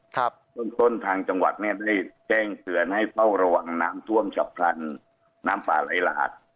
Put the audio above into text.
ทีนี้จะเล่นต้นทางจังหวัดแจ้งเขื่อนให้เฝ้าระวังน้ำท่วมชาวพลันน้ำปลาไลราช